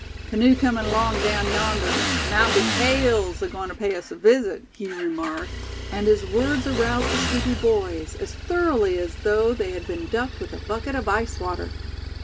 "Canoe comin' along daown yonder; mout be Cale's agoin' ter pay us a visit," he remarked; and his words aroused the sleepy boys as thoroughly as though they had been ducked with a bucket of ice water.